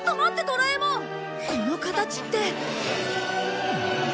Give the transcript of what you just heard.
この形って。